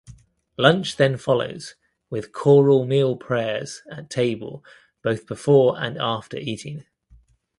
Lunch then follows with choral meal prayers at table both before and after eating.